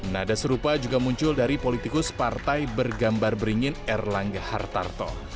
nada serupa juga muncul dari politikus partai bergambar beringin erlangga hartarto